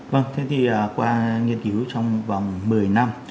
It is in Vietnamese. vâng thế thì qua nghiên cứu trong vòng một mươi năm